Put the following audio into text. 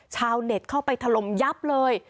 ชาวเน็ตเข้าไปถล่มยับเลย